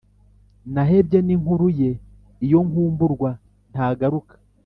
Nahebye n’inkuru ye, iyo nkumburwa ntagaruka